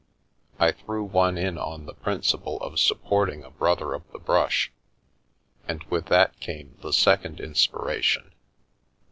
I threw one in on the principle of supporting a brother of the brush, and with that came the second inspiration.